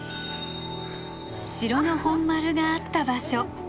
城の本丸があった場所